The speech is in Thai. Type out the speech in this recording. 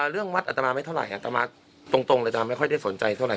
เรื่องวัดอัตมาไม่เท่าไหรอัตมาตรงเลยจะไม่ค่อยได้สนใจเท่าไห